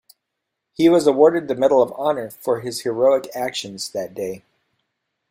He was awarded the Medal of Honor for his heroic actions that day.